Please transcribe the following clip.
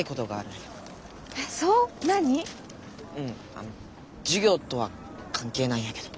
あの授業とは関係ないんやけど。